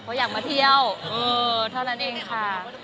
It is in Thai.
เพราะอยากมาเที่ยวเท่านั้นเองค่ะ